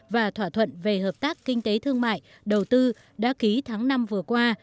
và thỏa thuận về hợp tác kinh tế thương mại đầu tư đã ký tháng năm vừa qua